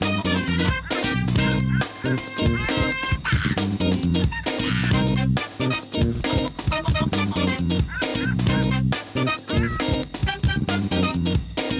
โปรดติดตามตอนต่อไป